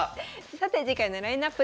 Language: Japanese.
さて次回のラインナップです。